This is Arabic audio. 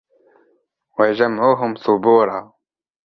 وَجَمْعُهُمْ ثُبُورًا